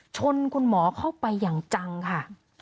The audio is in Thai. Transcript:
ชนคุณหมอเข้าไปอย่างจังค่ะ